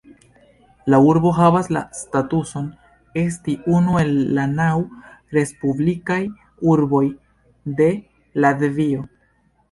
La urbo havas la statuson esti unu el la naŭ "respublikaj urboj de Latvio".